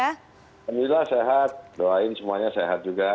alhamdulillah sehat doain semuanya sehat juga